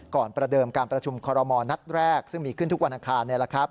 ประเดิมการประชุมคอรมอลนัดแรกซึ่งมีขึ้นทุกวันอังคาร